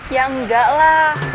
ya enggak lah